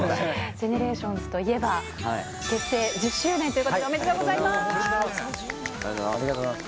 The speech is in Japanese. ＧＥＮＥＲＡＴＩＯＮＳといえば、結成１０周年ということでおめでありがとうございます。